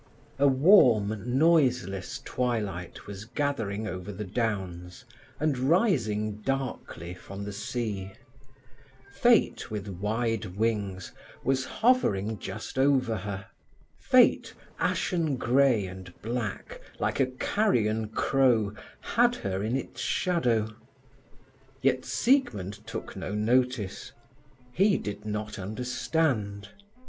A warm, noiseless twilight was gathering over the downs and rising darkly from the sea. Fate, with wide wings, was hovering just over her. Fate, ashen grey and black, like a carrion crow, had her in its shadow. Yet Siegmund took no notice. He did not understand.